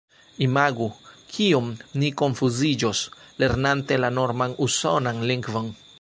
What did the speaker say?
Imagu, kiom ni konfuziĝos, lernante la norman usonan lingvon!